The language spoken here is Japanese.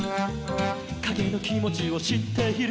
「かげのきもちをしっている」